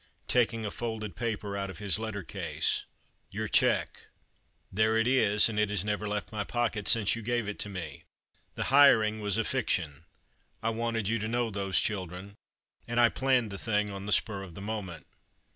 Taking a folded paper out of his letter case, "Your cheque. There it is; and it has never left my pocket since you gave it to me. The hiring was a fiction SHE WENT QUICKLY UP THE STEPS. —I wanted you to know those children— and I planned the thing on the spur of the moment."